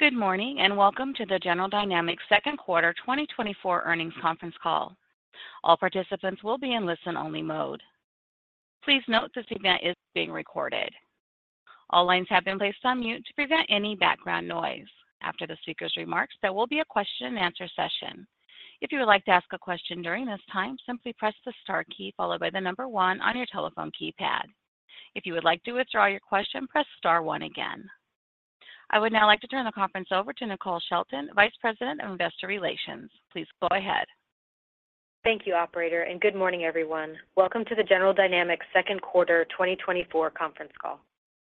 Good morning, and welcome to the General Dynamics second quarter 2024 earnings conference call. All participants will be in listen-only mode. Please note this event is being recorded. All lines have been placed on mute to prevent any background noise. After the speaker's remarks, there will be a question-and-answer session. If you would like to ask a question during this time, simply press the star key followed by the number one on your telephone keypad. If you would like to withdraw your question, press star one again. I would now like to turn the conference over to Nicole Sherin, Vice President of Investor Relations. Please go ahead. Thank you, operator, and good morning, everyone. Welcome to the General Dynamics second quarter 2024 conference call.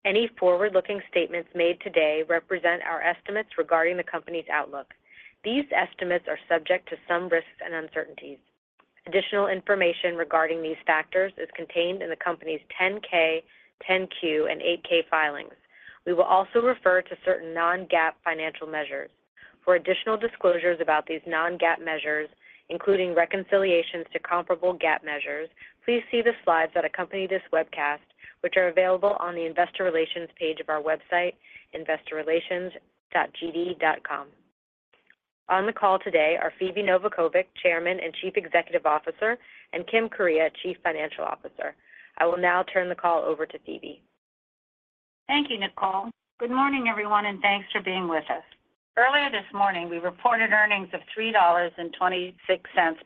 Any forward-looking statements made today represent our estimates regarding the company's outlook. These estimates are subject to some risks and uncertainties. Additional information regarding these factors is contained in the company's ten-K, ten-Q, and 8-K filings. We will also refer to certain non-GAAP financial measures. For additional disclosures about these non-GAAP measures, including reconciliations to comparable GAAP measures, please see the slides that accompany this webcast, which are available on the Investor Relations page of our website, investorrelations.gd.com. On the call today are Phebe Novakovic, Chairman and Chief Executive Officer, and Kim Kuryea, Chief Financial Officer. I will now turn the call over to Phebe. Thank you, Nicole. Good morning, everyone, and thanks for being with us. Earlier this morning, we reported earnings of $3.26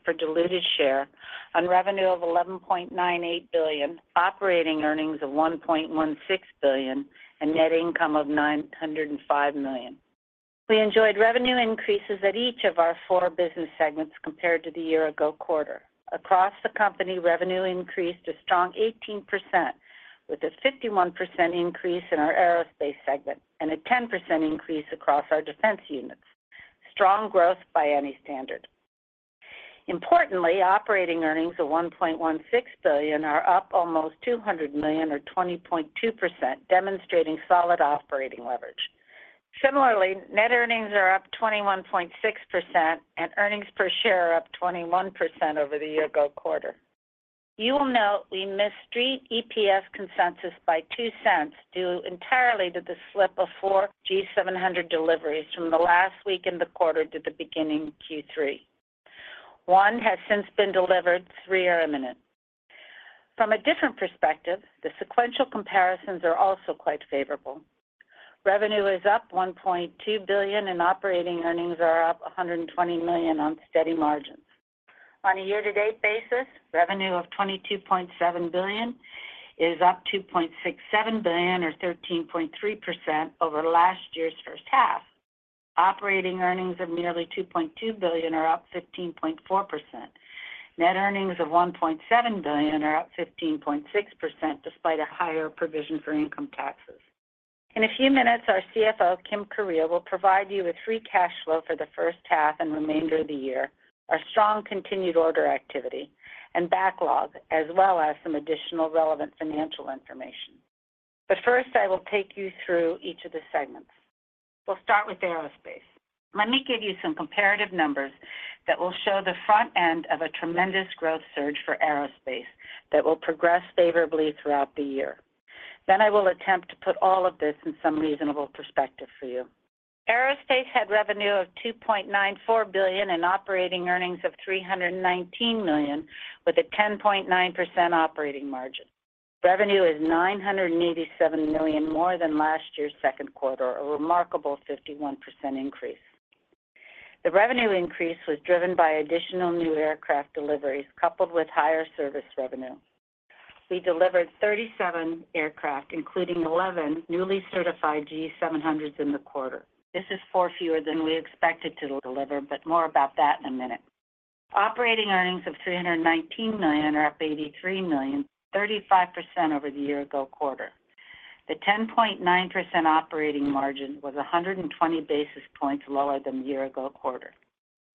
per diluted share on revenue of $11.98 billion, operating earnings of $1.16 billion, and net income of $905 million. We enjoyed revenue increases at each of our four business segments compared to the year-ago quarter. Across the company, revenue increased a strong 18%, with a 51% increase in our aerospace segment and a 10% increase across our defense units. Strong growth by any standard. Importantly, operating earnings of $1.16 billion are up almost $200 million, or 20.2%, demonstrating solid operating leverage. Similarly, net earnings are up 21.6%, and earnings per share are up 21% over the year-ago quarter. You will note we missed street EPS consensus by $0.02, due entirely to the slip of four G700 deliveries from the last week in the quarter to the beginning of Q3. One has since been delivered, three are imminent. From a different perspective, the sequential comparisons are also quite favorable. Revenue is up $1.2 billion, and operating earnings are up $120 million on steady margins. On a year-to-date basis, revenue of $22.7 billion is up $2.67 billion, or 13.3%, over last year's first half. Operating earnings of nearly $2.2 billion are up 15.4%. Net earnings of $1.7 billion are up 15.6%, despite a higher provision for income taxes. In a few minutes, our CFO, Kim Kuryea, will provide you with free cash flow for the first half and remainder of the year, our strong continued order activity and backlog, as well as some additional relevant financial information. But first, I will take you through each of the segments. We'll start with aerospace. Let me give you some comparative numbers that will show the front end of a tremendous growth surge for aerospace that will progress favorably throughout the year. Then I will attempt to put all of this in some reasonable perspective for you. Aerospace had revenue of $2.94 billion and operating earnings of $319 million, with a 10.9% operating margin. Revenue is $987 million more than last year's second quarter, a remarkable 51% increase. The revenue increase was driven by additional new aircraft deliveries, coupled with higher service revenue. We delivered 37 aircraft, including 11 newly certified G700s in the quarter. This is 4 fewer than we expected to deliver, but more about that in a minute. Operating earnings of $319 million are up $83 million, 35% over the year-ago quarter. The 10.9% operating margin was 120 basis points lower than the year-ago quarter.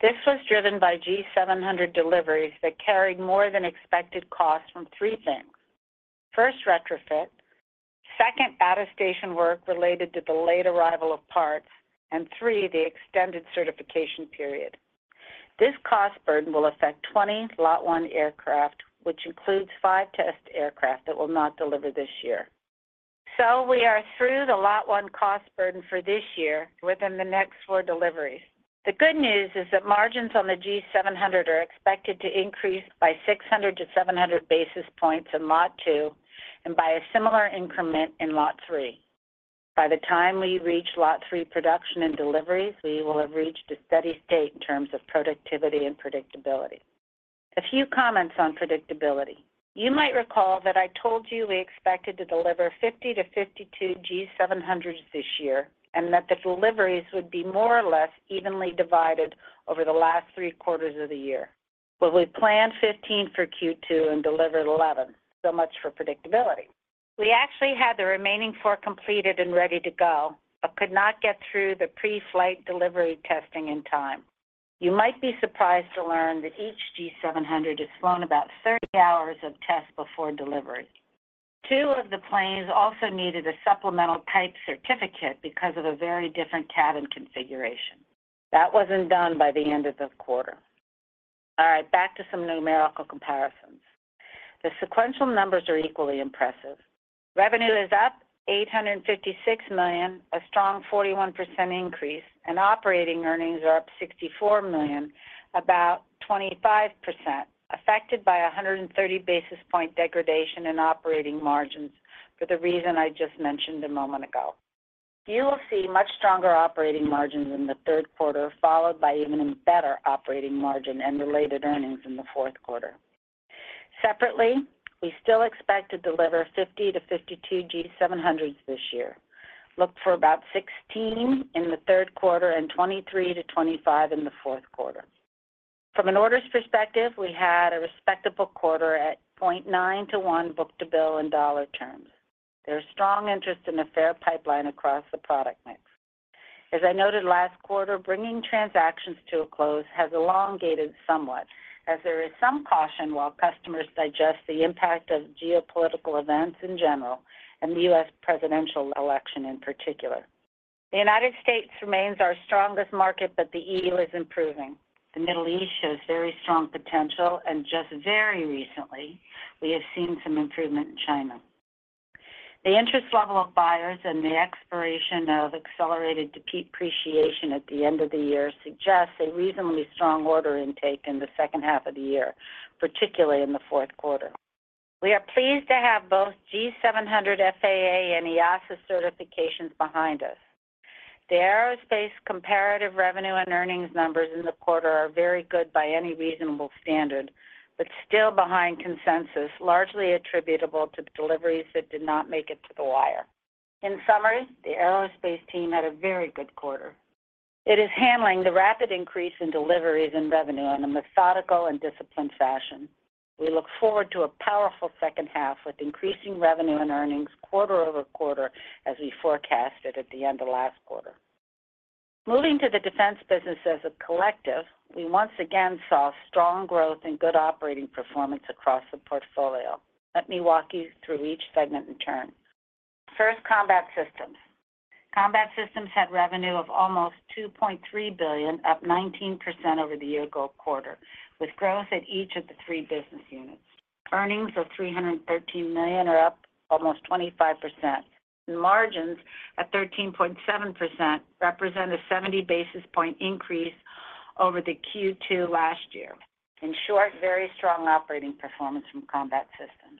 This was driven by G700 deliveries that carried more-than-expected costs from three things. First, retrofit; second, out-of-station work related to the late arrival of parts; and three, the extended certification period. This cost burden will affect 20 Lot 1 aircraft, which includes 5 test aircraft that will not deliver this year. So we are through the lot 1 cost burden for this year within the next 4 deliveries. The good news is that margins on the G700 are expected to increase by 600-700 basis points in lot 2 and by a similar increment in lot 3. By the time we reach lot 3 production and deliveries, we will have reached a steady state in terms of productivity and predictability. A few comments on predictability. You might recall that I told you we expected to deliver 50-52 G700s this year, and that the deliveries would be more or less evenly divided over the last three quarters of the year. Well, we planned 15 for Q2 and delivered 11. So much for predictability. We actually had the remaining 4 completed and ready to go, but could not get through the pre-flight delivery testing in time. You might be surprised to learn that each G700 is flown about 30 hours of tests before delivery. 2 of the planes also needed a supplemental type certificate because of a very different cabin configuration. That wasn't done by the end of the quarter.... All right, back to some numerical comparisons. The sequential numbers are equally impressive. Revenue is up $856 million, a strong 41% increase, and operating earnings are up $64 million, about 25%, affected by a 130 basis point degradation in operating margins for the reason I just mentioned a moment ago. You will see much stronger operating margins in the third quarter, followed by even better operating margin and related earnings in the fourth quarter. Separately, we still expect to deliver 50-52 G700s this year. Look for about 16 in the third quarter and 23-25 in the fourth quarter. From an orders perspective, we had a respectable quarter at 0.9-1 book-to-bill in dollar terms. There's strong interest in a fair pipeline across the product mix. As I noted last quarter, bringing transactions to a close has elongated somewhat, as there is some caution while customers digest the impact of geopolitical events in general and the U.S. presidential election in particular. The United States remains our strongest market, but the E.U. is improving. The Middle East shows very strong potential, and just very recently, we have seen some improvement in China. The interest level of buyers and the expiration of accelerated depreciation at the end of the year suggests a reasonably strong order intake in the second half of the year, particularly in the fourth quarter. We are pleased to have both G700 FAA and EASA certifications behind us. The aerospace comparative revenue and earnings numbers in the quarter are very good by any reasonable standard, but still behind consensus, largely attributable to deliveries that did not make it to the wire. In summary, the aerospace team had a very good quarter. It is handling the rapid increase in deliveries and revenue in a methodical and disciplined fashion. We look forward to a powerful second half with increasing revenue and earnings quarter-over-quarter as we forecasted at the end of last quarter. Moving to the defense business as a collective, we once again saw strong growth and good operating performance across the portfolio. Let me walk you through each segment in turn. First, Combat Systems. Combat Systems had revenue of almost $2.3 billion, up 19% over the year-ago quarter, with growth at each of the three business units. Earnings of $313 million are up almost 25%, and margins at 13.7% represent a 70 basis point increase over the Q2 last year. In short, very strong operating performance from Combat Systems.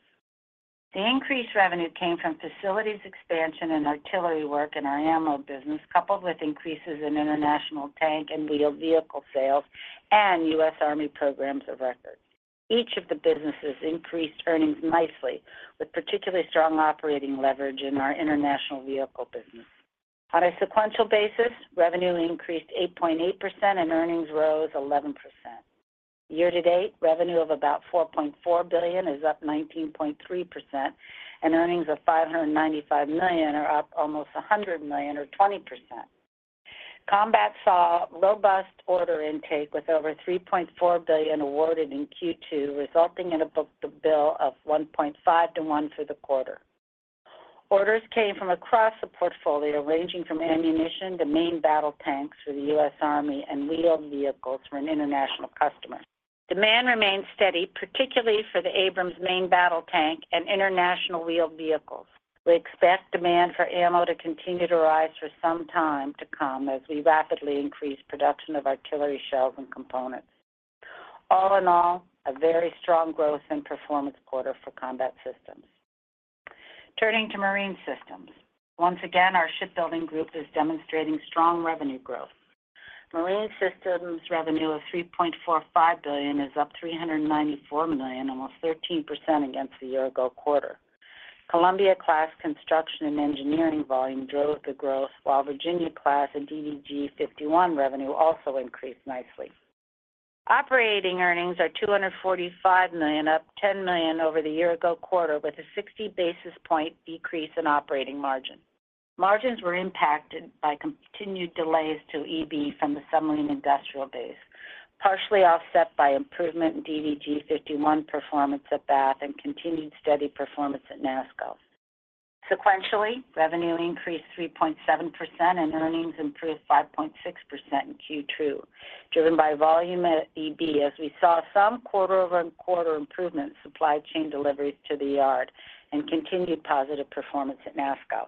The increased revenue came from facilities expansion and artillery work in our ammo business, coupled with increases in international tank and wheeled vehicle sales and U.S. Army Programs of Record. Each of the businesses increased earnings nicely, with particularly strong operating leverage in our international vehicle business. On a sequential basis, revenue increased 8.8% and earnings rose 11%. Year-to-date, revenue of about $4.4 billion is up 19.3%, and earnings of $595 million are up almost $100 million, or 20%. Combat Systems saw robust order intake, with over $3.4 billion awarded in Q2, resulting in a book-to-bill of 1.5 to 1 for the quarter. Orders came from across the portfolio, ranging from ammunition to main battle tanks for the U.S. Army and wheeled vehicles for an international customer. Demand remains steady, particularly for the Abrams main battle tank and international wheeled vehicles. We expect demand for ammo to continue to rise for some time to come as we rapidly increase production of artillery shells and components. All in all, a very strong growth and performance quarter for Combat Systems. Turning to Marine Systems. Once again, our shipbuilding group is demonstrating strong revenue growth. Marine Systems' revenue of $3.45 billion is up $394 million, almost 13% against the year-ago quarter. Columbia Class construction and engineering volume drove the growth, while Virginia Class and DDG-51 revenue also increased nicely. Operating earnings are $245 million, up $10 million over the year-ago quarter, with a 60 basis point decrease in operating margin. Margins were impacted by continued delays to EB from the submarine industrial base, partially offset by improvement in DDG-51 performance at Bath and continued steady performance at NASSCO. Sequentially, revenue increased 3.7% and earnings improved 5.6% in Q2, driven by volume at EB, as we saw some quarter-over-quarter improvement in supply chain deliveries to the yard and continued positive performance at NASSCO.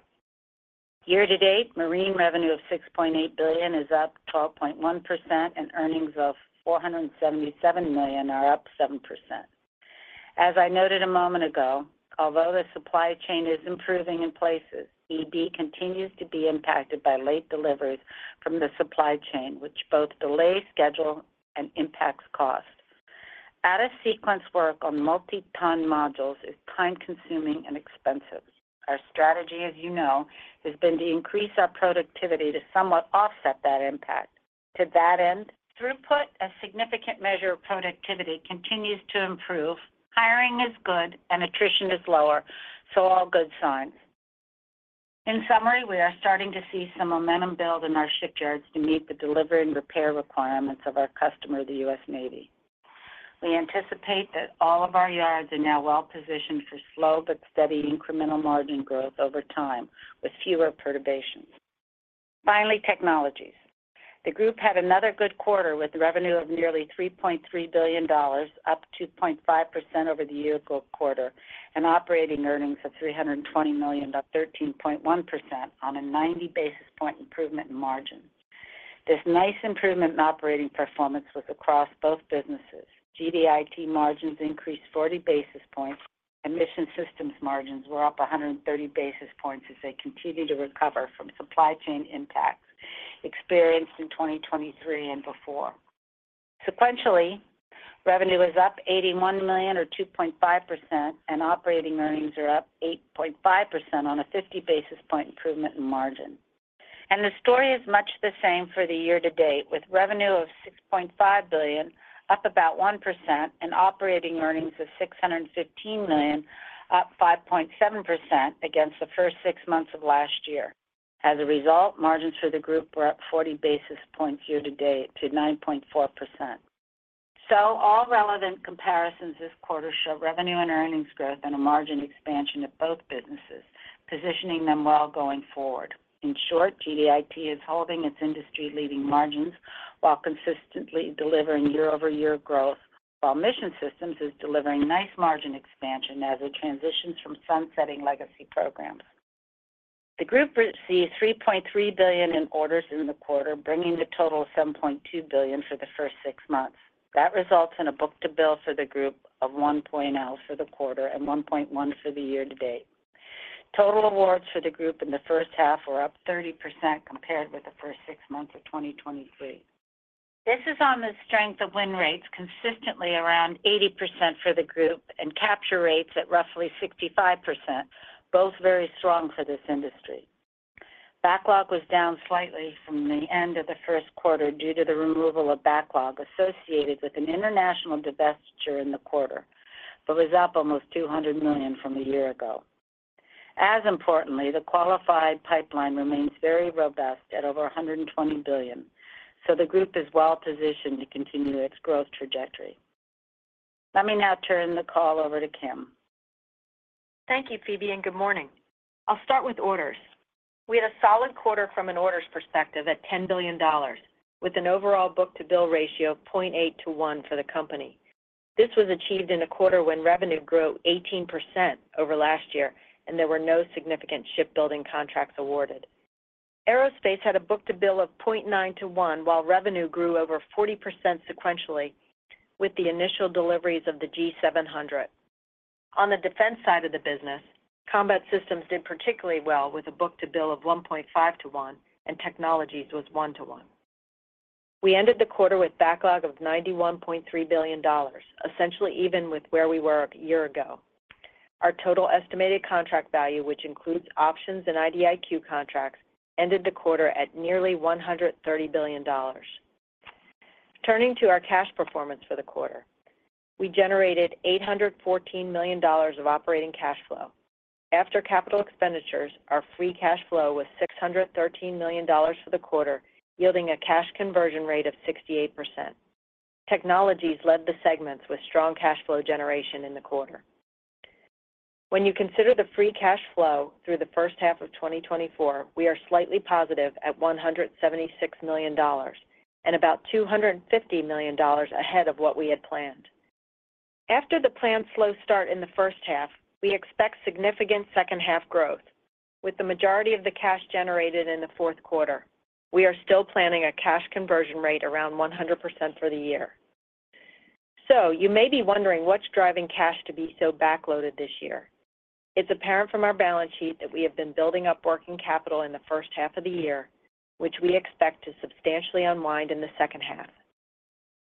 Year-to-date, Marine revenue of $6.8 billion is up 12.1%, and earnings of $477 million are up 7%. As I noted a moment ago, although the supply chain is improving in places, EB continues to be impacted by late deliveries from the supply chain, which both delays schedule and impacts cost. Out-of-sequence work on multi-ton modules is time-consuming and expensive. Our strategy, as you know, has been to increase our productivity to somewhat offset that impact. To that end, throughput, a significant measure of productivity, continues to improve. Hiring is good and attrition is lower, so all good signs. In summary, we are starting to see some momentum build in our shipyards to meet the delivery and repair requirements of our customer, the U.S. Navy. We anticipate that all of our yards are now well-positioned for slow but steady incremental margin growth over time, with fewer perturbations.... Finally, Technologies. The group had another good quarter with revenue of nearly $3.3 billion, up 2.5% over the year quarter, and operating earnings of $320 million, up 13.1% on a 90 basis point improvement in margin. This nice improvement in operating performance was across both businesses. GDIT margins increased 40 basis points and Mission Systems margins were up 130 basis points as they continue to recover from supply chain impacts experienced in 2023 and before. Sequentially, revenue is up $81 million or 2.5%, and operating earnings are up 8.5% on a 50 basis point improvement in margin. The story is much the same for the year to date, with revenue of $6.5 billion, up about 1%, and operating earnings of $615 million, up 5.7% against the first six months of last year. As a result, margins for the group were up 40 basis points year to date to 9.4%. So all relevant comparisons this quarter show revenue and earnings growth and a margin expansion of both businesses, positioning them well going forward. In short, GDIT is holding its industry-leading margins while consistently delivering year-over-year growth, while Mission Systems is delivering nice margin expansion as it transitions from sunsetting legacy programs. The group received $3.3 billion in orders in the quarter, bringing the total of $7.2 billion for the first six months. That results in a book-to-bill for the group of 1.1 for the quarter and 1.1 for the year to date. Total awards for the group in the first half were up 30% compared with the first six months of 2023. This is on the strength of win rates, consistently around 80% for the group, and capture rates at roughly 65%, both very strong for this industry. Backlog was down slightly from the end of the first quarter due to the removal of backlog associated with an international divestiture in the quarter, but was up almost $200 million from a year ago. As importantly, the qualified pipeline remains very robust at over $120 billion, so the group is well positioned to continue its growth trajectory. Let me now turn the call over to Kim. Thank you, Phoebe, and good morning. I'll start with orders. We had a solid quarter from an orders perspective at $10 billion, with an overall book-to-bill ratio of 0.8 to 1 for the company. This was achieved in a quarter when revenue grew 18% over last year, and there were no significant shipbuilding contracts awarded. Aerospace had a book-to-bill of 0.9 to 1, while revenue grew over 40% sequentially with the initial deliveries of the G700. On the defense side of the business, Combat Systems did particularly well with a book-to-bill of 1.5 to 1, and Technologies was 1 to 1. We ended the quarter with backlog of $91.3 billion, essentially even with where we were a year ago. Our total estimated contract value, which includes options and IDIQ contracts, ended the quarter at nearly $130 billion. Turning to our cash performance for the quarter, we generated $814 million of operating cash flow. After capital expenditures, our free cash flow was $613 million for the quarter, yielding a cash conversion rate of 68%. Technologies led the segments with strong cash flow generation in the quarter. When you consider the free cash flow through the first half of 2024, we are slightly positive at $176 million and about $250 million ahead of what we had planned. After the planned slow start in the first half, we expect significant second-half growth, with the majority of the cash generated in the fourth quarter. We are still planning a cash conversion rate around 100% for the year. So you may be wondering what's driving cash to be so backloaded this year. It's apparent from our balance sheet that we have been building up working capital in the first half of the year, which we expect to substantially unwind in the second half.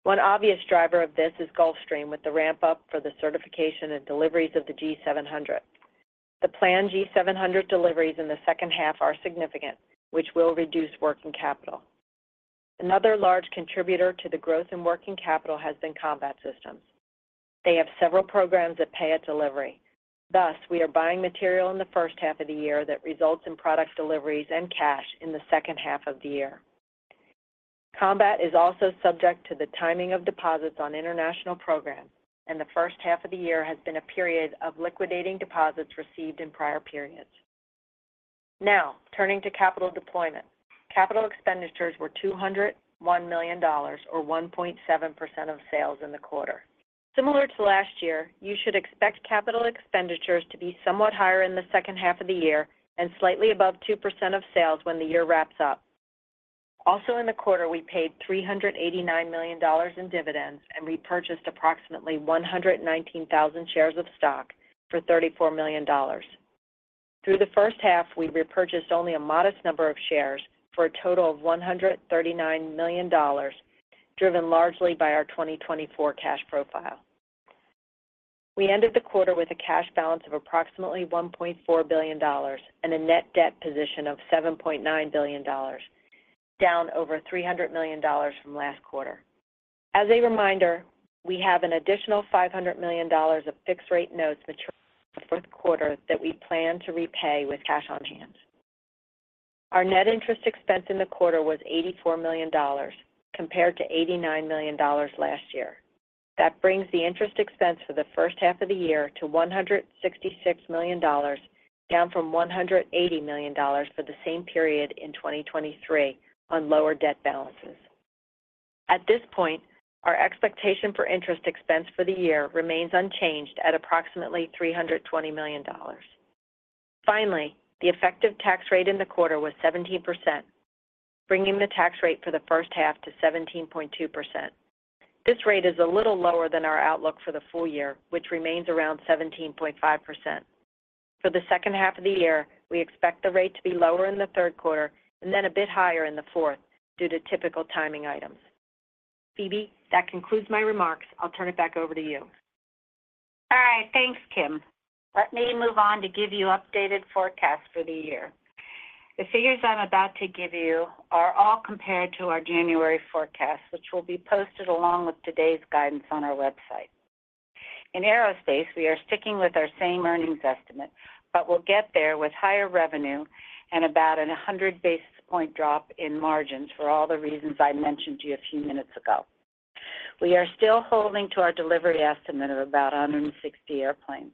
One obvious driver of this is Gulfstream, with the ramp-up for the certification and deliveries of the G700. The planned G700 deliveries in the second half are significant, which will reduce working capital. Another large contributor to the growth in working capital has been Combat Systems. They have several programs that pay at delivery. Thus, we are buying material in the first half of the year that results in product deliveries and cash in the second half of the year. Combat is also subject to the timing of deposits on international programs, and the first half of the year has been a period of liquidating deposits received in prior periods. Now, turning to capital deployment. Capital expenditures were $201 million, or 1.7% of sales in the quarter. Similar to last year, you should expect capital expenditures to be somewhat higher in the second half of the year and slightly above 2% of sales when the year wraps up. Also in the quarter, we paid $389 million in dividends and repurchased approximately 119,000 shares of stock for $34 million. Through the first half, we repurchased only a modest number of shares for a total of $139 million, driven largely by our 2024 cash profile. We ended the quarter with a cash balance of approximately $1.4 billion and a net debt position of $7.9 billion, down over $300 million from last quarter. As a reminder, we have an additional $500 million of fixed-rate notes maturing in the fourth quarter that we plan to repay with cash on hand. Our net interest expense in the quarter was $84 million, compared to $89 million last year.... That brings the interest expense for the first half of the year to $166 million, down from $180 million for the same period in 2023 on lower debt balances. At this point, our expectation for interest expense for the year remains unchanged at approximately $320 million. Finally, the effective tax rate in the quarter was 17%, bringing the tax rate for the first half to 17.2%. This rate is a little lower than our outlook for the full year, which remains around 17.5%. For the second half of the year, we expect the rate to be lower in the third quarter and then a bit higher in the fourth due to typical timing items. Phebe, that concludes my remarks. I'll turn it back over to you. All right, thanks, Kim. Let me move on to give you updated forecasts for the year. The figures I'm about to give you are all compared to our January forecast, which will be posted along with today's guidance on our website. In aerospace, we are sticking with our same earnings estimate, but we'll get there with higher revenue and about a 100 basis point drop in margins for all the reasons I mentioned to you a few minutes ago. We are still holding to our delivery estimate of about 160 airplanes.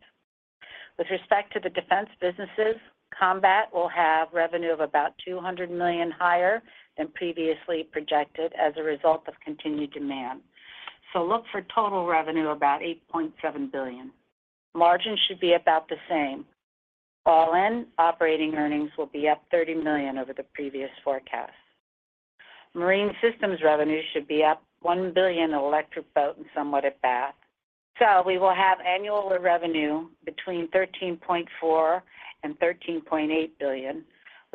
With respect to the defense businesses, Combat will have revenue of about $200 million higher than previously projected as a result of continued demand. So look for total revenue about $8.7 billion. Margins should be about the same. All in, operating earnings will be up $30 million over the previous forecast. Marine Systems revenue should be up $1 billion Electric Boat and somewhat at Bath. So we will have annual revenue between $13.4 billion and $13.8 billion,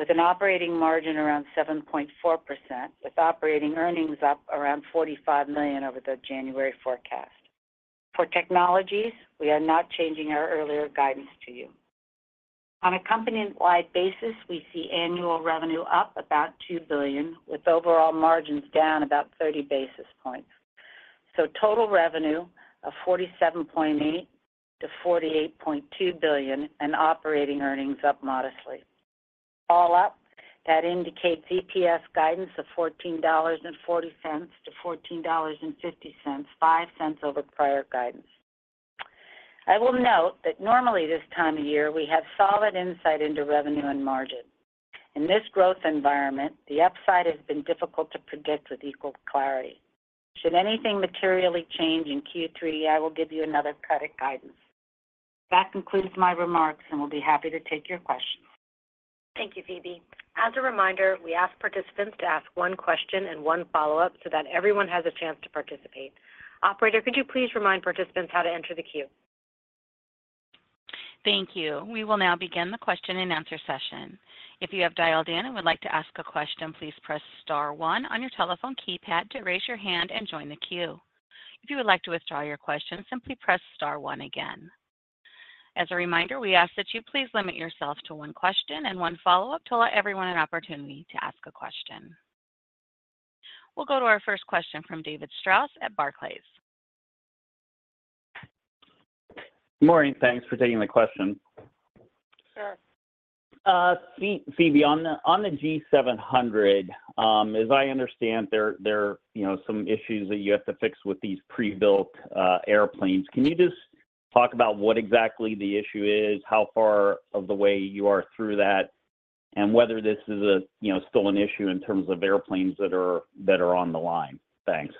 with an operating margin around 7.4%, with operating earnings up around $45 million over the January forecast. For Technologies, we are not changing our earlier guidance to you. On a company-wide basis, we see annual revenue up about $2 billion, with overall margins down about 30 basis points. So total revenue of $47.8 billion-$48.2 billion and operating earnings up modestly. All up, that indicates EPS guidance of $14.40-$14.50, $0.05 over prior guidance. I will note that normally this time of year, we have solid insight into revenue and margin. In this growth environment, the upside has been difficult to predict with equal clarity. Should anything materially change in Q3, I will give you another credit guidance. That concludes my remarks, and we'll be happy to take your questions. Thank you, Phoebe. As a reminder, we ask participants to ask one question and one follow-up so that everyone has a chance to participate. Operator, could you please remind participants how to enter the queue? Thank you. We will now begin the question-and-answer session. If you have dialed in and would like to ask a question, please press star one on your telephone keypad to raise your hand and join the queue. If you would like to withdraw your question, simply press star one again. As a reminder, we ask that you please limit yourself to one question and one follow-up to allow everyone an opportunity to ask a question. We'll go to our first question from David Strauss at Barclays. Morning. Thanks for taking the question. Sure. Phoebe, on the G700, as I understand, there are, you know, some issues that you have to fix with these pre-built airplanes. Can you just talk about what exactly the issue is, how far of the way you are through that, and whether this is a, you know, still an issue in terms of airplanes that are on the line? Thanks.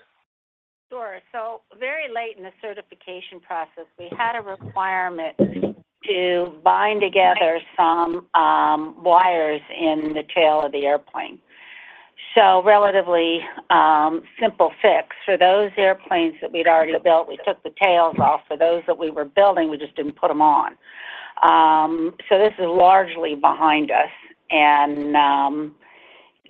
Sure. So very late in the certification process, we had a requirement to bind together some wires in the tail of the airplane. So relatively simple fix. For those airplanes that we'd already built, we took the tails off. For those that we were building, we just didn't put them on. So this is largely behind us and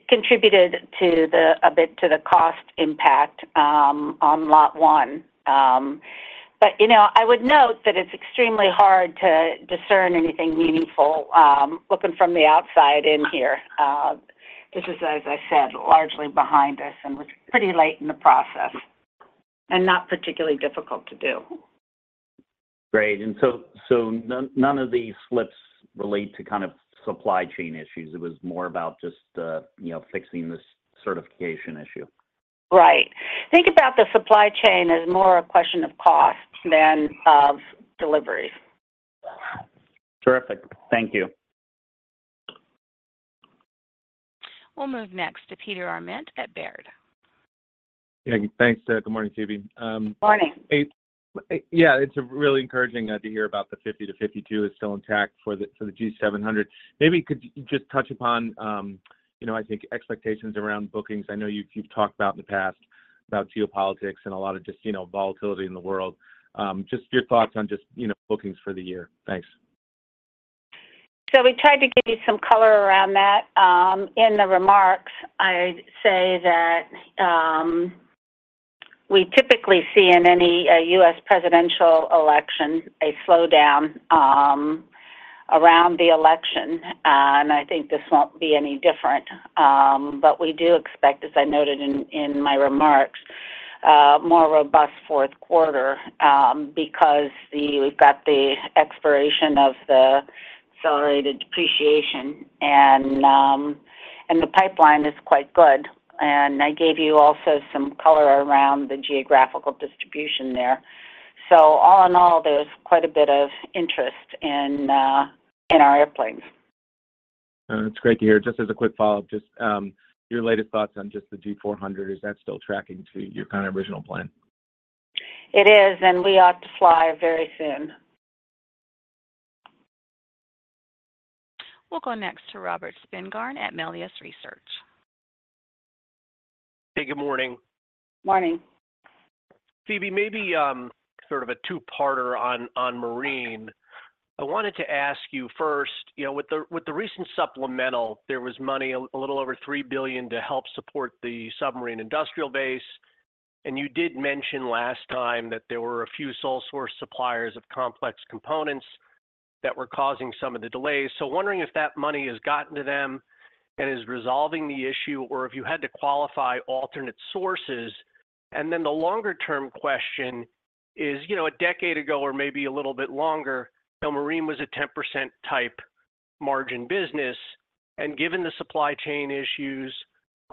contributed to the, a bit to the cost impact on lot one. But, you know, I would note that it's extremely hard to discern anything meaningful looking from the outside in here. This is, as I said, largely behind us and was pretty late in the process and not particularly difficult to do. Great. And so, none of these slips relate to kind of supply chain issues. It was more about just, you know, fixing this certification issue. Right. Think about the supply chain as more a question of cost than of delivery. Terrific. Thank you. We'll move next to Peter Arment at Baird. Yeah, thanks. Good morning, Phoebe. Morning. Yeah, it's really encouraging to hear about the 50-52 is still intact for the, for the G700. Maybe could you just touch upon, you know, I think expectations around bookings? I know you've, you've talked about in the past about geopolitics and a lot of just, you know, volatility in the world. Just your thoughts on just, you know, bookings for the year. Thanks. So we tried to give you some color around that. In the remarks, I'd say that we typically see in any U.S. presidential election a slowdown around the election, and I think this won't be any different. But we do expect, as I noted in my remarks, more robust fourth quarter because we've got the expiration of the accelerated depreciation and the pipeline is quite good, and I gave you also some color around the geographical distribution there. So all in all, there's quite a bit of interest in our airplanes. That's great to hear. Just as a quick follow-up, just, your latest thoughts on just the G400. Is that still tracking to your kind of original plan? It is, and we ought to fly very soon. We'll go next to Robert Spingarn at Melius Research. Hey, good morning. Morning. Phoebe, maybe sort of a two-parter on Marine. I wanted to ask you first, you know, with the recent supplemental, there was money, a little over $3 billion, to help support the Submarine Industrial Base, and you did mention last time that there were a few sole source suppliers of complex components that were causing some of the delays. So wondering if that money has gotten to them and is resolving the issue, or if you had to qualify alternate sources? And then the longer term question is, you know, a decade ago or maybe a little bit longer, you know, Marine was a 10% type margin business, and given the supply chain issues,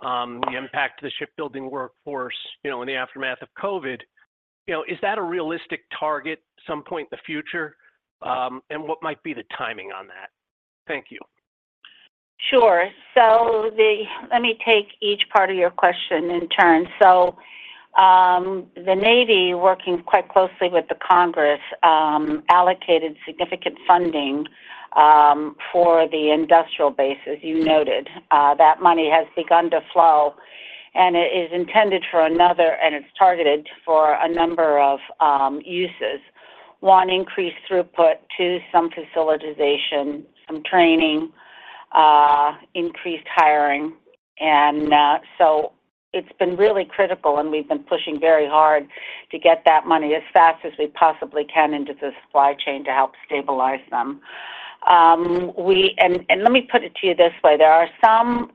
the impact to the shipbuilding workforce, you know, in the aftermath of COVID, you know, is that a realistic target at some point in the future, and what might be the timing on that? Thank you. Sure. So let me take each part of your question in turn. So, the Navy, working quite closely with the Congress, allocated significant funding for the industrial base, as you noted. That money has begun to flow, and it is intended for another, and it's targeted for a number of uses. One, increased throughput. Two, some facilitization, some training, increased hiring. And so it's been really critical, and we've been pushing very hard to get that money as fast as we possibly can into the supply chain to help stabilize them. And let me put it to you this way, there are some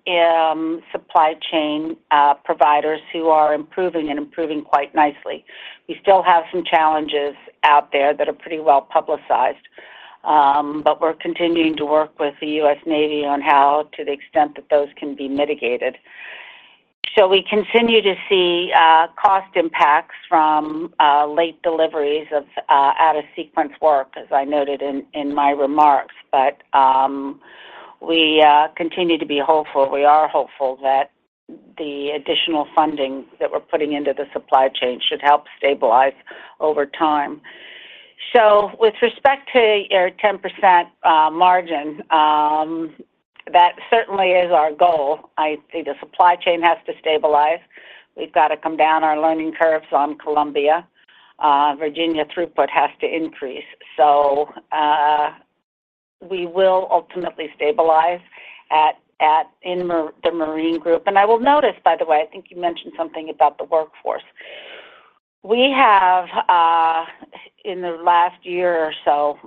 supply chain providers who are improving and improving quite nicely. We still have some challenges out there that are pretty well-publicized, but we're continuing to work with the U.S. Navy on how to the extent that those can be mitigated. So we continue to see cost impacts from late deliveries of out-of-sequence work, as I noted in my remarks, but we continue to be hopeful. We are hopeful that the additional funding that we're putting into the supply chain should help stabilize over time. So with respect to your 10% margin, that certainly is our goal. I see the supply chain has to stabilize. We've got to come down our learning curves on Columbia. Virginia throughput has to increase. So we will ultimately stabilize at in the Marine Group. And I will notice, by the way, I think you mentioned something about the workforce. We have, in the last year or so,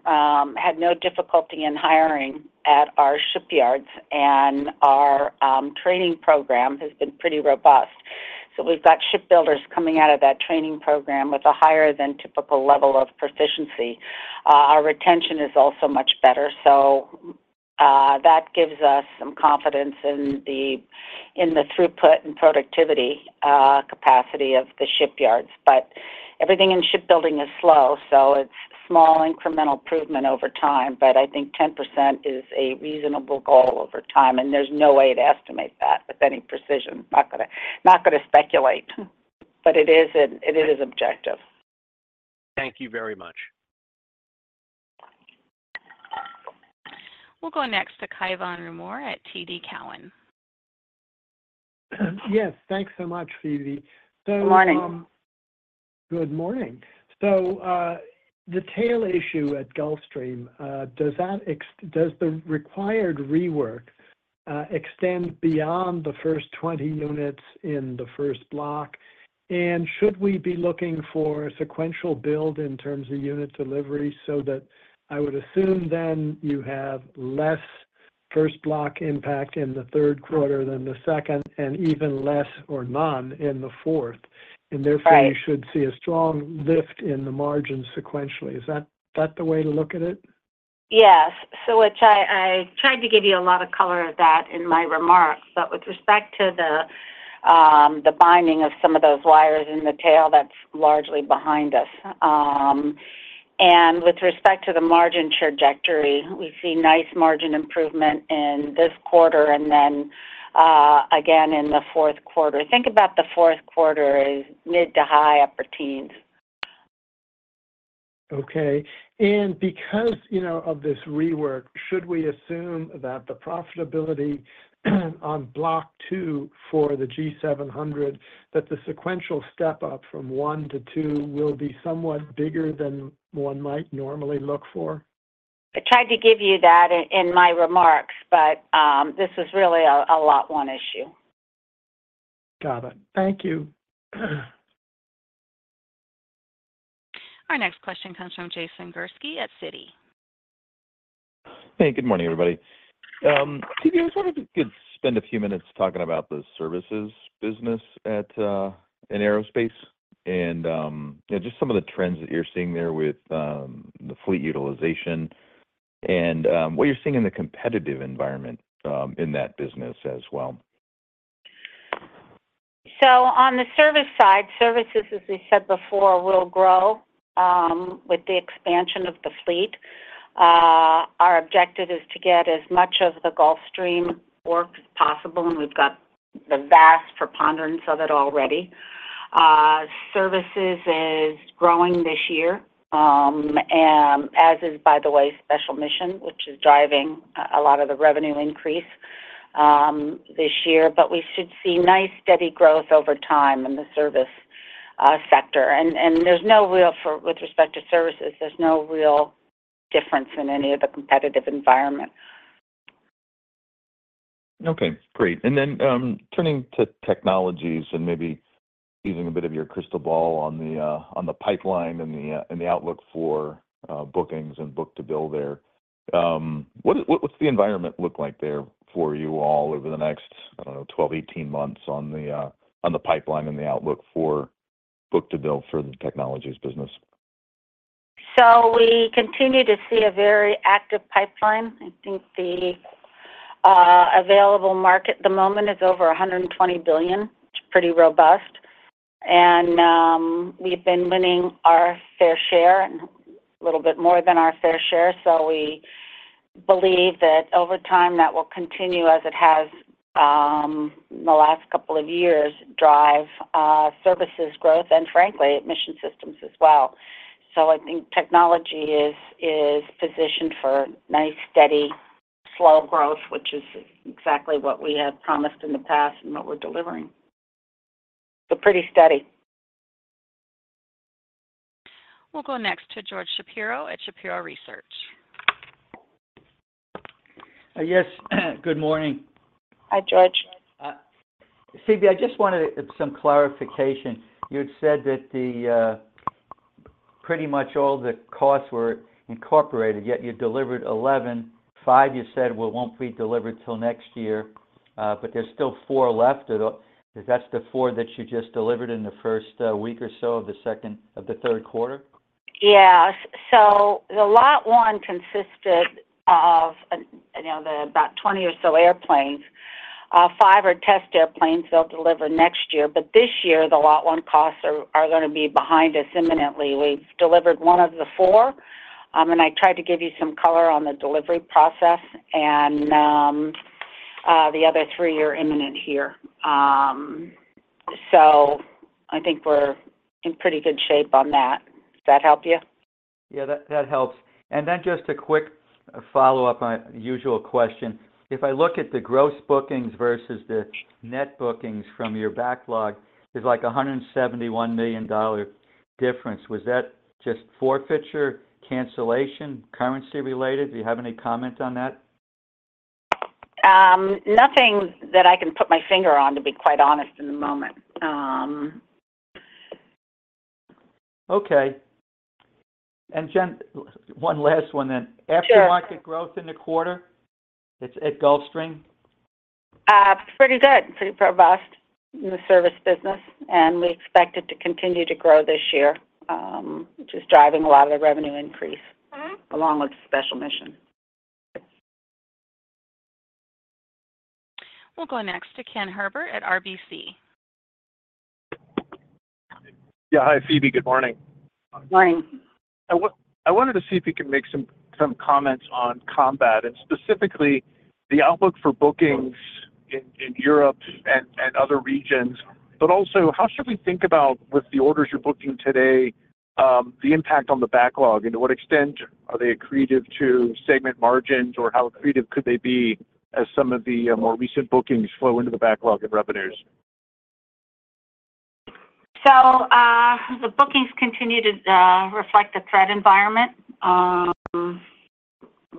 had no difficulty in hiring at our shipyards, and our training program has been pretty robust. So we've got shipbuilders coming out of that training program with a higher-than-typical level of proficiency. Our retention is also much better, so, that gives us some confidence in the throughput and productivity capacity of the shipyards. But everything in shipbuilding is slow, so it's small, incremental improvement over time. But I think 10% is a reasonable goal over time, and there's no way to estimate that with any precision. Not gonna speculate, but it is objective. Thank you very much. We'll go next to Cai von Rumohr at TD Cowen. Yes. Thanks so much, Phoebe. Good morning. Good morning. So, the tail issue at Gulfstream, does the required rework extend beyond the first 20 units in the first block? And should we be looking for a sequential build in terms of unit delivery so that I would assume then you have less first block impact in the third quarter than the second, and even less or none in the fourth? Right. Therefore, you should see a strong lift in the margin sequentially. Is that the way to look at it? Yes. So I tried to give you a lot of color of that in my remarks, but with respect to the binding of some of those wires in the tail, that's largely behind us. And with respect to the margin trajectory, we see nice margin improvement in this quarter and then again in the fourth quarter. Think about the fourth quarter as mid to high upper teens. Okay. Because you know, of this rework, should we assume that the profitability on block two for the G700, that the sequential step up from one to two will be somewhat bigger than one might normally look for? I tried to give you that in my remarks, but this is really a lot one issue. Got it. Thank you. Our next question comes from Jason Gursky at Citi. Hey, good morning, everybody. Phoebe, I was wondering if you could spend a few minutes talking about the services business at, in aerospace?... And, yeah, just some of the trends that you're seeing there with the fleet utilization and what you're seeing in the competitive environment in that business as well. So on the service side, services, as we said before, will grow with the expansion of the fleet. Our objective is to get as much of the Gulfstream work as possible, and we've got the vast preponderance of it already. Services is growing this year, and as is, by the way, Special Mission, which is driving a lot of the revenue increase this year. But we should see nice, steady growth over time in the service sector. And with respect to services, there's no real difference in any of the competitive environment. Okay, great. And then, turning to technologies and maybe using a bit of your crystal ball on the pipeline and the outlook for bookings and book-to-bill there, what's the environment look like there for you all over the next, I don't know, 12, 18 months on the pipeline and the outlook for book-to-bill for the technologies business? So we continue to see a very active pipeline. I think the available market at the moment is over $120 billion, which is pretty robust. And we've been winning our fair share and a little bit more than our fair share. So we believe that over time, that will continue as it has in the last couple of years, drive services growth and frankly, mission systems as well. So I think technology is positioned for nice, steady, slow growth, which is exactly what we have promised in the past and what we're delivering. So pretty steady. We'll go next to George Shapiro at Shapiro Research. Yes. Good morning. Hi, George. Phoebe, I just wanted some clarification. You had said that the pretty much all the costs were incorporated, yet you delivered 11.5, you said, well, won't be delivered till next year. But there's still 4 left. Is that the 4 that you just delivered in the first week or so of the third quarter? Yes. So the lot one consisted of, you know, the about 20 or so airplanes. Five are test airplanes that will deliver next year, but this year, the lot one costs are gonna be behind us imminently. We've delivered one of the four, and I tried to give you some color on the delivery process, and the other three are imminent here. So I think we're in pretty good shape on that. Does that help you? Yeah, that, that helps. And then just a quick follow-up on my usual question. If I look at the gross bookings versus the net bookings from your backlog, there's like a $171 million difference. Was that just forfeiture, cancellation, currency related? Do you have any comment on that? Nothing that I can put my finger on, to be quite honest, in the moment. Okay. Then, one last one then. Sure. Aftermarket growth in the quarter, it's at Gulfstream? Pretty good, pretty robust in the service business, and we expect it to continue to grow this year, which is driving a lot of the revenue increase, along with Special Mission. We'll go next to Ken Herbert at RBC. Yeah. Hi, Phoebe. Good morning. Morning. I wanted to see if you could make some comments on Combat, and specifically, the outlook for bookings in Europe and other regions. But also, how should we think about, with the orders you're booking today, the impact on the backlog, and to what extent are they accretive to segment margins, or how accretive could they be as some of the more recent bookings flow into the backlog of revenues? So, the bookings continue to reflect the threat environment.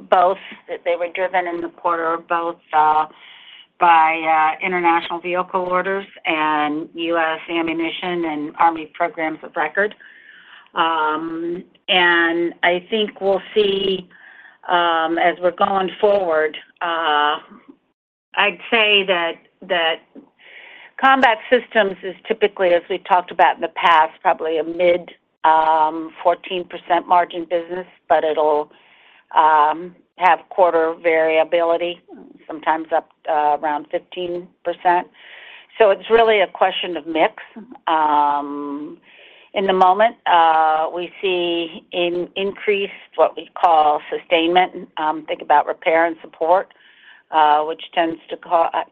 Both, that they were driven in the quarter, both by international vehicle orders and U.S. ammunition and Army programs of record. And I think we'll see, as we're going forward, I'd say that combat systems is typically, as we've talked about in the past, probably a mid-14% margin business, but it'll have quarter variability, sometimes up around 15%. So it's really a question of mix. In the moment, we see an increased, what we call sustainment, think about repair and support, which tends to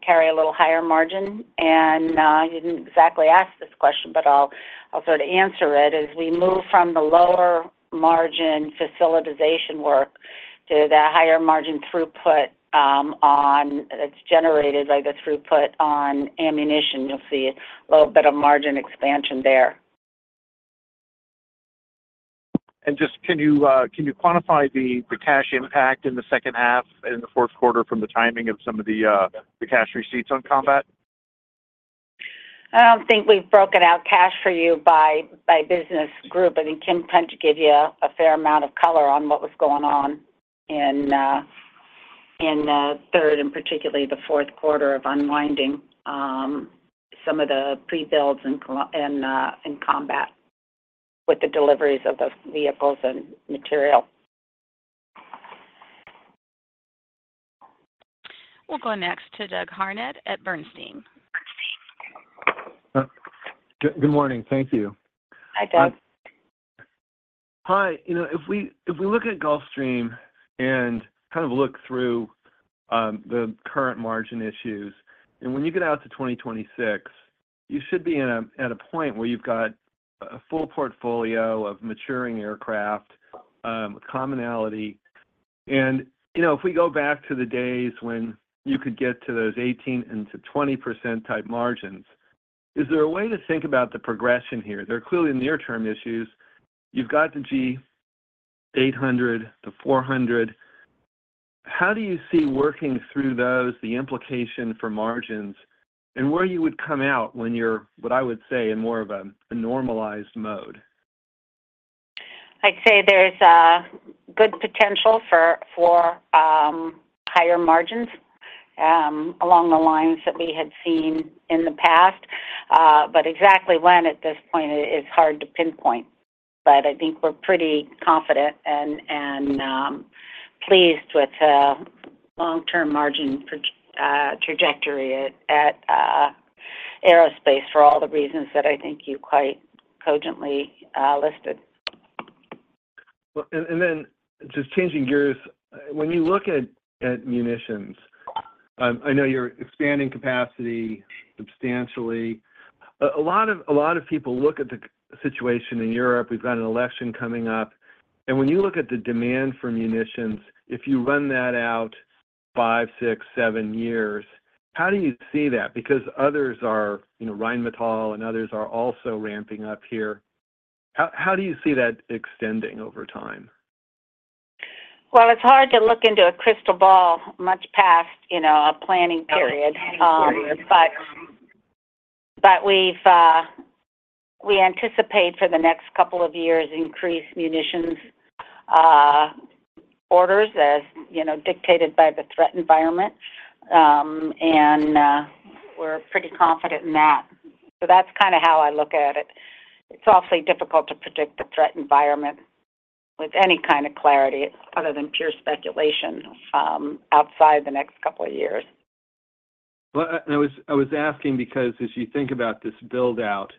carry a little higher margin. And you didn't exactly ask this question, but I'll sort of answer it, as we move from the lower margin facilitization work to the higher margin throughput, on... It's generated like a throughput on ammunition. You'll see a little bit of margin expansion there. Just, can you quantify the cash impact in the second half and the fourth quarter from the timing of some of the cash receipts on combat? I don't think we've broken out cash for you by business group. I think Ken Punch gave you a fair amount of color on what was going on in the third, and particularly the fourth quarter, of unwinding some of the pre-builds in combat with the deliveries of the vehicles and material. We'll go next to Doug Harned at Bernstein. Good morning. Thank you. Hi, Doug. Hi. You know, if we, if we look at Gulfstream and kind of look through the current margin issues, and when you get out to 2026, you should be at a point where you've got a full portfolio of maturing aircraft, commonality. And, you know, if we go back to the days when you could get to those 18%-20% type margins, is there a way to think about the progression here? There are clearly near-term issues. You've got the G800, the G400. How do you see working through those, the implication for margins, and where you would come out when you're, what I would say, in more of a normalized mode? I'd say there's a good potential for higher margins along the lines that we had seen in the past. But exactly when, at this point, it is hard to pinpoint. But I think we're pretty confident and pleased with the long-term margin trajectory at aerospace, for all the reasons that I think you quite cogently listed. Well, then, just changing gears, when you look at munitions, I know you're expanding capacity substantially. A lot of people look at the situation in Europe, we've got an election coming up, and when you look at the demand for munitions, if you run that out 5, 6, 7 years, how do you see that? Because others are, you know, Rheinmetall and others are also ramping up here. How do you see that extending over time? Well, it's hard to look into a crystal ball much past, you know, a planning period. But we've anticipate for the next couple of years, increased munitions orders as, you know, dictated by the threat environment, and we're pretty confident in that. So that's kind of how I look at it. It's awfully difficult to predict the threat environment with any kind of clarity, other than pure speculation, outside the next couple of years. Well, I was asking because as you think about this build-out,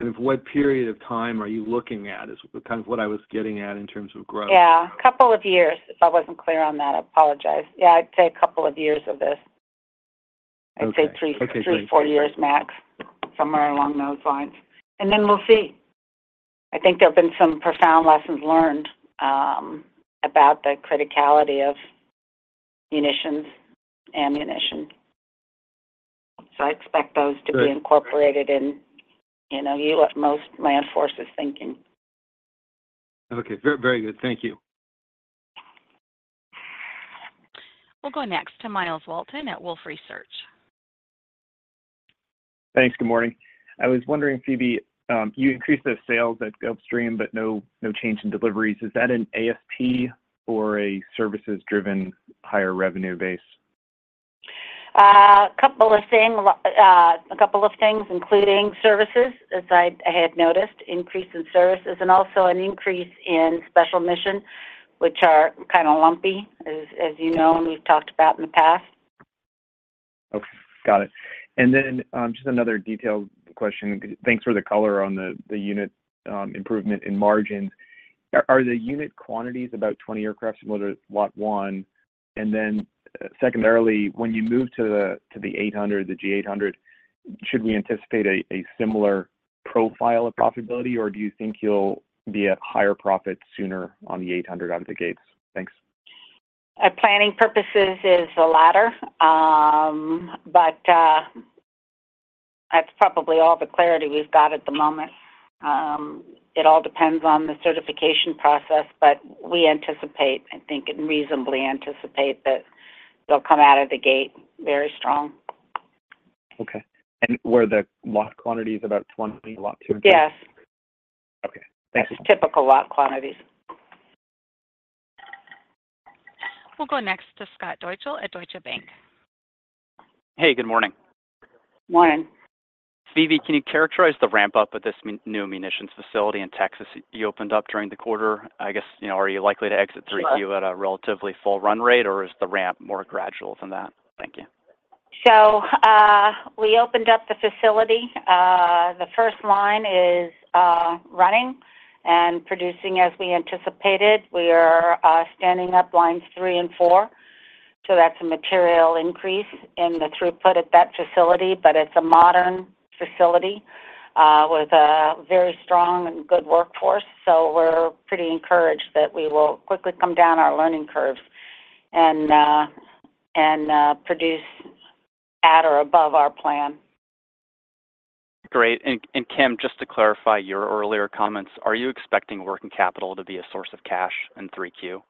and of what period of time are you looking at, is kind of what I was getting at in terms of growth. Yeah. A couple of years, if I wasn't clear on that, I apologize. Yeah, I'd say a couple of years of this. Okay. I'd say three- Okay, great... 3-4 years max, somewhere along those lines. And then we'll see. I think there have been some profound lessons learned, about the criticality of munitions and ammunition, so I expect those- Great... to be incorporated in, you know, most land forces thinking. Okay. Very, very good. Thank you. We'll go next to Myles Walton at Wolfe Research. Thanks. Good morning. I was wondering, Phoebe, you increased the sales at Gulfstream, but no, no change in deliveries. Is that an ASP or a services-driven higher revenue base? A couple of things, including services, as I had noticed, increase in services, and also an increase in special mission, which are kind of lumpy, as you know, and we've talked about in the past. Okay, got it. And then just another detailed question. Thanks for the color on the unit improvement in margins. Are the unit quantities about 20 aircrafts similar to lot one? And then secondarily, when you move to the 800, the G800, should we anticipate a similar profile of profitability, or do you think you'll be at higher profit sooner on the 800 out of the gates? Thanks. For planning purposes is the latter. But that's probably all the clarity we've got at the moment. It all depends on the certification process, but we anticipate, I think, and reasonably anticipate, that they'll come out of the gate very strong. Okay. Were the lot quantities about 20, lot 2? Yes. Okay. Thanks. Typical lot quantities. We'll go next to Scott Deuschle at Deutsche Bank. Hey, good morning. Morning. Phoebe, can you characterize the ramp-up at this new munitions facility in Texas you opened up during the quarter? I guess, you know, are you likely to exit- Sure 3Q at a relatively full run rate, or is the ramp more gradual than that? Thank you. We opened up the facility. The first line is running and producing as we anticipated. We are standing up lines three and four, so that's a material increase in the throughput at that facility. But it's a modern facility with a very strong and good workforce, so we're pretty encouraged that we will quickly come down our learning curve and produce at or above our plan. Great. And, Kim, just to clarify your earlier comments, are you expecting working capital to be a source of cash in 3Q?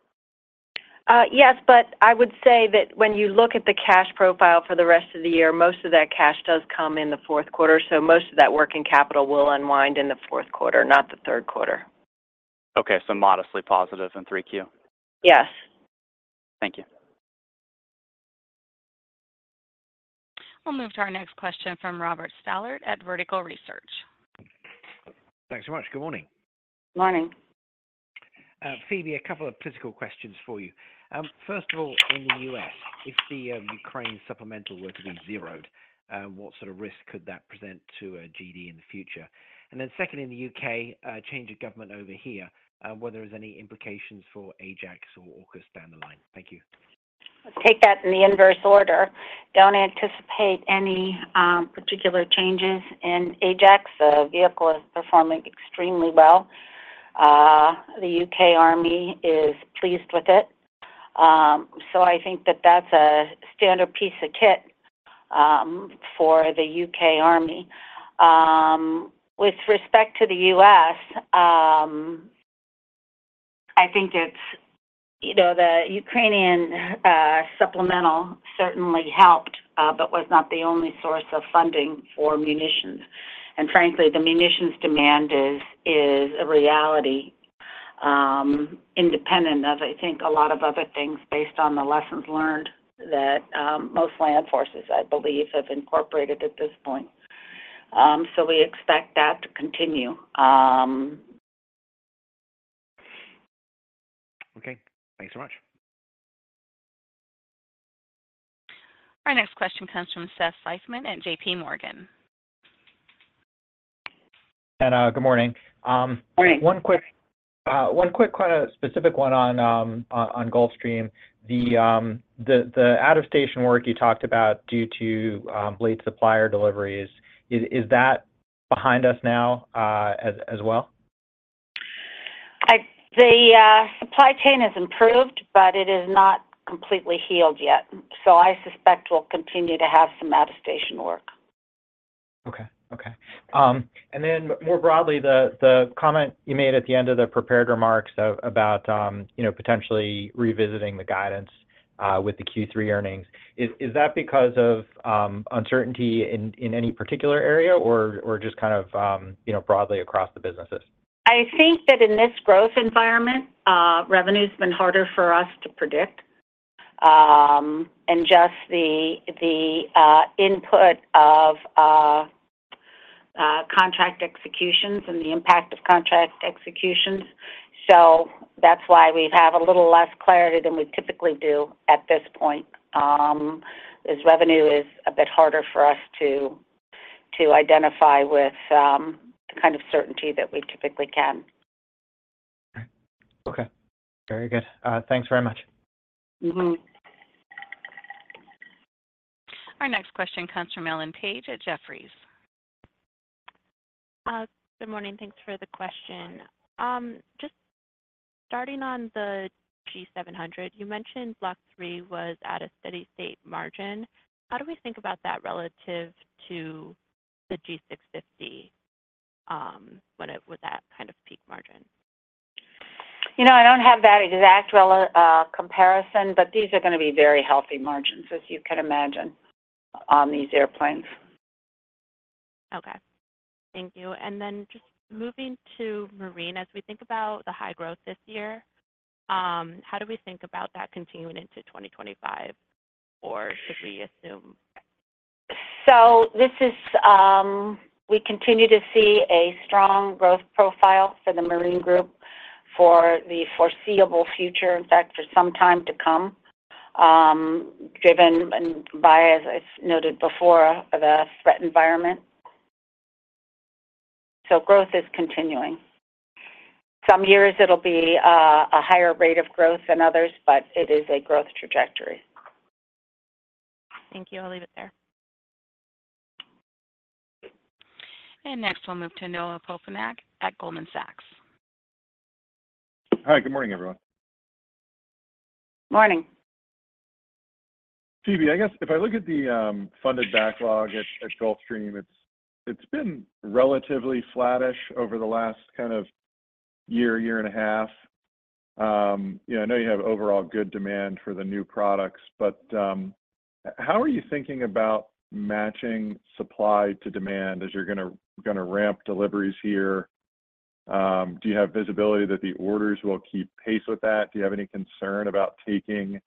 Yes, but I would say that when you look at the cash profile for the rest of the year, most of that cash does come in the fourth quarter, so most of that working capital will unwind in the fourth quarter, not the third quarter.... Okay, so modestly positive in 3Q? Yes. Thank you. We'll move to our next question from Robert Stallard at Vertical Research. Thanks so much. Good morning. Morning. Phoebe, a couple of political questions for you. First of all, in the U.S., if the Ukraine supplemental were to be zeroed, what sort of risk could that present to GD in the future? And then secondly, in the U.K., a change of government over here, whether there is any implications for Ajax or Orca down the line. Thank you. I'll take that in the inverse order. Don't anticipate any particular changes in Ajax. The vehicle is performing extremely well. The U.K. Army is pleased with it. So I think that that's a standard piece of kit for the U.K. Army. With respect to the U.S., I think it's, you know, the Ukrainian supplemental certainly helped, but was not the only source of funding for munitions. And frankly, the munitions demand is, is a reality independent of, I think, a lot of other things based on the lessons learned that most land forces, I believe, have incorporated at this point. So we expect that to continue. Okay. Thanks so much. Our next question comes from Seth Seifman at J.P. Morgan. Good morning. Morning. One quick specific one on Gulfstream. The out-of-station work you talked about due to late supplier deliveries, is that behind us now, as well? The supply chain has improved, but it is not completely healed yet, so I suspect we'll continue to have some out-of-station work. Okay. Okay. And then more broadly, the comment you made at the end of the prepared remarks about, you know, potentially revisiting the guidance with the Q3 earnings, is that because of uncertainty in any particular area or just kind of, you know, broadly across the businesses? I think that in this growth environment, revenue's been harder for us to predict, and just the contract executions and the impact of contract executions. So that's why we have a little less clarity than we typically do at this point, as revenue is a bit harder for us to identify with the kind of certainty that we typically can. Okay. Very good. Thanks very much. Mm-hmm. Our next question comes from Ellen Page at Jefferies. Good morning. Thanks for the question. Just starting on the G700, you mentioned block three was at a steady state margin. How do we think about that relative to the G650, with that kind of peak margin? You know, I don't have that exact, well, comparison, but these are going to be very healthy margins, as you can imagine, on these airplanes. Okay. Thank you. And then just moving to Marine, as we think about the high growth this year, how do we think about that continuing into 2025, or should we assume? So this is. We continue to see a strong growth profile for the Marine group for the foreseeable future, in fact, for some time to come, driven by, as I noted before, the threat environment. So growth is continuing. Some years it'll be, a higher rate of growth than others, but it is a growth trajectory. Thank you. I'll leave it there. Next, we'll move to Noah Poponak at Goldman Sachs. Hi, good morning, everyone. Morning. Phoebe, I guess if I look at the funded backlog at Gulfstream, it's been relatively flattish over the last kind of year, year and a half. You know, I know you have overall good demand for the new products, but how are you thinking about matching supply to demand as you're gonna ramp deliveries here? Do you have visibility that the orders will keep pace with that? Do you have any concern about taking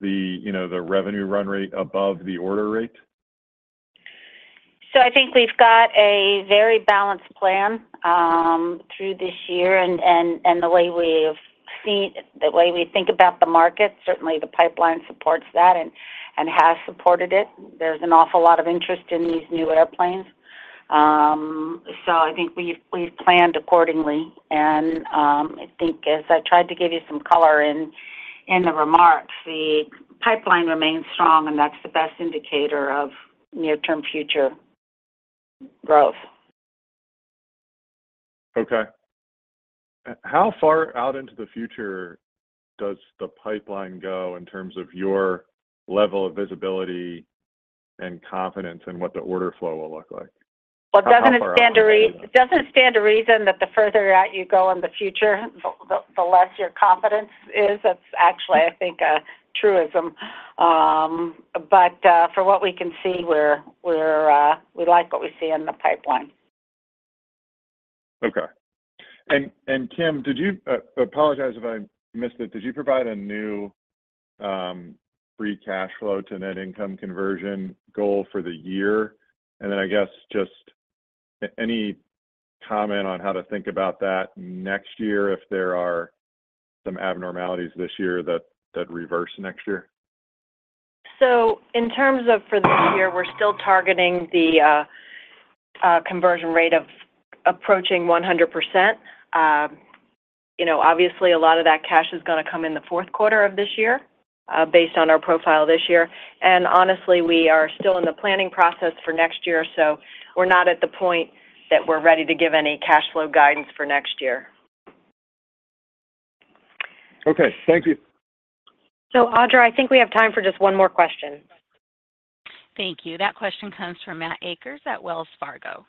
the, you know, the revenue run rate above the order rate? So I think we've got a very balanced plan through this year, and the way we think about the market, certainly the pipeline supports that and has supported it. There's an awful lot of interest in these new airplanes. So I think we've planned accordingly, and I think as I tried to give you some color in the remarks, the pipeline remains strong, and that's the best indicator of near-term future growth. Okay. How far out into the future does the pipeline go in terms of your level of visibility and confidence in what the order flow will look like? Well, doesn't it stand to reason that the further out you go in the future, the less your confidence is? That's actually, I think, a truism. But from what we can see, we like what we see in the pipeline.... Okay. And Kim, did you apologize if I missed it, did you provide a new free cash flow to net income conversion goal for the year? And then I guess just any comment on how to think about that next year, if there are some abnormalities this year that reverse next year? So in terms of for this year, we're still targeting the conversion rate of approaching 100%. You know, obviously, a lot of that cash is gonna come in the fourth quarter of this year, based on our profile this year. Honestly, we are still in the planning process for next year, so we're not at the point that we're ready to give any cash flow guidance for next year. Okay. Thank you. Audra, I think we have time for just one more question. Thank you. That question comes from Matt Akers at Wells Fargo.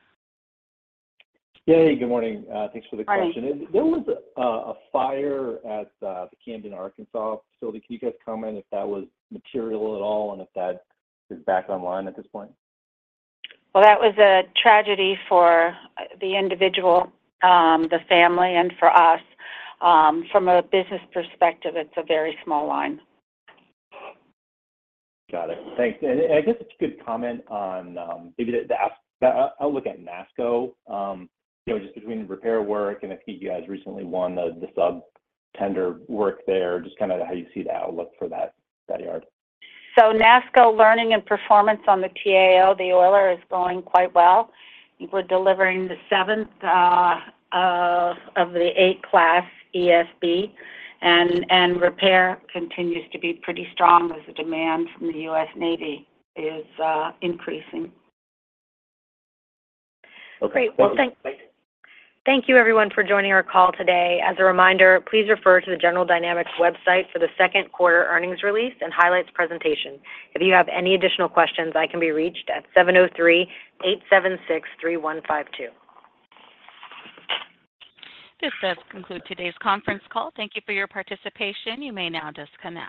Hey, good morning. Thanks for the question. Hi. There was a fire at the Camden, Arkansas facility. Can you guys comment if that was material at all, and if that is back online at this point? Well, that was a tragedy for the individual, the family, and for us. From a business perspective, it's a very small line. Got it. Thanks. I guess it's a good comment on, maybe the outlook at NASSCO. You know, just between the repair work and I think you guys recently won the sub-tender work there, just kind of how you see the outlook for that yard. So NASSCO's learning and performance on the T-AO, the oiler, is going quite well. I think we're delivering the seventh of the eight class ESB, and repair continues to be pretty strong as the demand from the U.S. Navy is increasing. Okay. Well, thank you. Thank you, everyone, for joining our call today. As a reminder, please refer to the General Dynamics website for the second quarter earnings release and highlights presentation. If you have any additional questions, I can be reached at 703-876-3152. This does conclude today's conference call. Thank you for your participation. You may now disconnect.